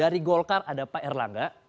dari golkar ada pak erlangga